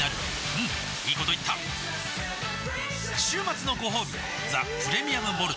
うんいいこと言った週末のごほうび「ザ・プレミアム・モルツ」